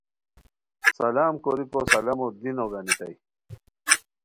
سلام کوریکو سلامو دی نوگانیتائے